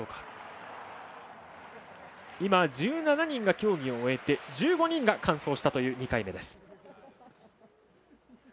１７人が競技を終えて１５人が完走したという２回目です。